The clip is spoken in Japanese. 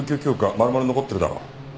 丸々残ってるだろ。